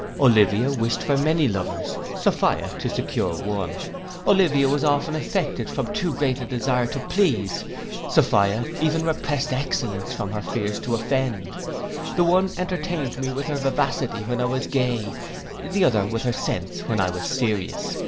Olivia wished for many lovers, Sophia to secure one. Olivia was often affected from too great a desire to please. Sophia even represt excellence from her fears to offend. The one entertained me with her vivacity when I was gay, the other with her sense when I was serious.